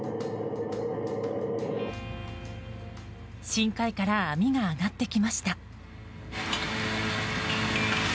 深海から網が上がってきました。